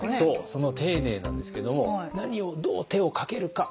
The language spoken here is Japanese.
その丁寧なんですけども何をどう手をかけるか。